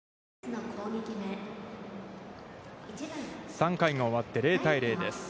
３回が終わって０対０です。